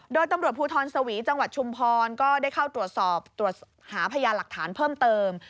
โดยตำรวจภูทรสวีจังหวัดชุมพรก็ได้เข้าตรวจสอบตรวจหาพยานหลักฐานเพิ่มเติม